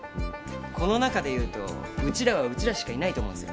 この中でいうとうちらはうちらしかいないと思うんですよ。